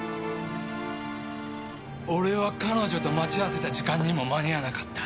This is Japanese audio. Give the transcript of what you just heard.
俺は彼女と待ち合わせた時間にも間に合わなかった。